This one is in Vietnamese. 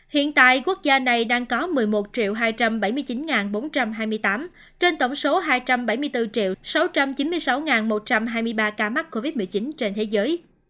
hiện tại quốc gia này đang có một mươi một hai trăm bảy mươi chín bốn trăm hai mươi tám trên tổng số hai trăm bảy mươi bốn sáu trăm chín mươi sáu một trăm hai mươi ba ca mắc covid một mươi chín trên thế giới